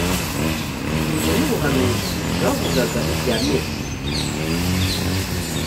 bihuje n ubuhanuzi bwavugaga ibya mesiya